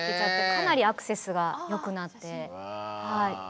かなりアクセスが良くなって。